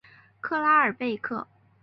克拉尔贝克。